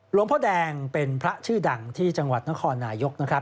หลวงพ่อแดงเป็นพระชื่อดังที่จังหวัดนครนายกนะครับ